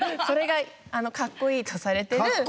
それがカッコいいとされてる。